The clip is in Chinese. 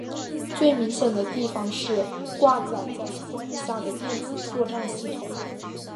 最明显的地方是挂载在机翼下的电子作战系统。